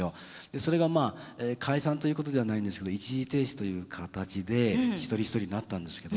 それがまあ解散ということではないんですけど一時停止という形で一人一人になったんですけど。